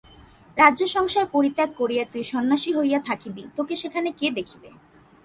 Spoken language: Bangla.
রাজ্য সংসার পরিত্যাগ করিয়া তুই সন্ন্যাসী হইয়া থাকিবি, তোকে সেখানে কে দেখিবে?